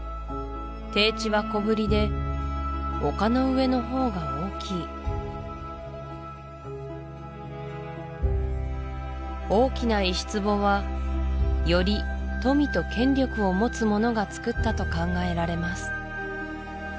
低地は小ぶりで丘の上のほうが大きい大きな石壺はより富と権力を持つ者がつくったと考えられます